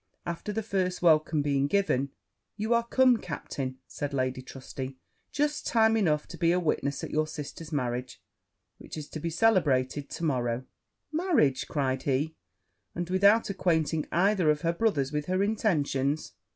After the first welcome being given 'You are come, captain,' said Lady Trusty, 'just time enough to be a witness of your sister's marriage, which is to be celebrated to morrow.' 'Marriage!' cried he; 'and without acquainting either of her brothers with her intentions!